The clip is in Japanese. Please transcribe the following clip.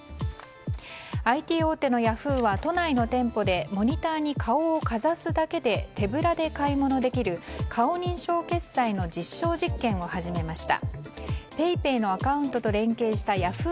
ＩＴ大手のヤフーは都内の店舗でモニターに顔をかざすだけで手ぶらで買い物できる顔認証決済の実証実験を始めました。